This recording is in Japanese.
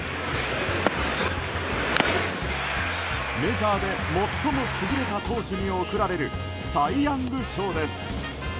メジャーで最も優れた投手に贈られるサイ・ヤング賞です。